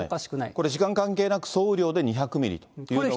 これ時間関係なく総雨量で２００ミリっていうのが。